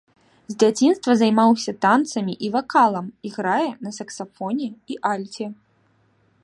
З дзяцінства займаўся танцамі і вакалам, іграе на саксафоне і альце.